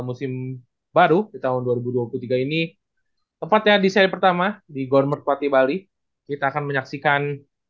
musim baru tahun dua ribu dua puluh tiga ini tempatnya di saya pertama di gormerpati bali kita akan menyaksikan